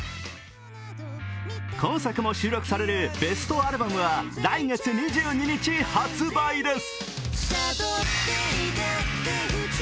今作も収録されるベストアルバムは来月２２日発売です。